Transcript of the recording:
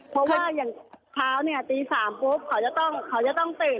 เพราะว่าอย่างเช้าเนี่ยตี๓ปุ๊บเขาจะต้องตื่น